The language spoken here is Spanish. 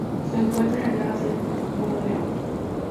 Se encuentran en Asia: Borneo.